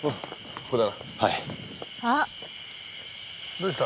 どうした？